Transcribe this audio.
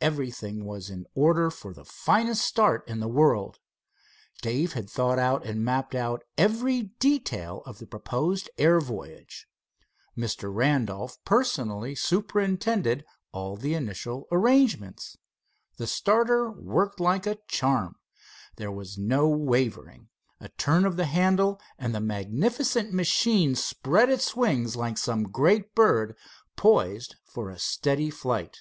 Everything was in order for the finest start in the world. Dave had thought out and mapped out every detail of the proposed air voyage. Mr. Randolph personally superintended all the initial arrangements. The starter worked liked a charm. There was no wavering. A turn of the handle, and the magnificent machine spread its wings like some great bird poised for a steady flight.